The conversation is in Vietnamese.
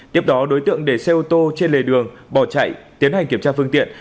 tiếp đó đối tượng để xe ô tô trên lề đường bỏ chạy tiến hành kiểm tra phương tiện